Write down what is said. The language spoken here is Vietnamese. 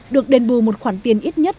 hai được đền bù một khoản tiền ít nhất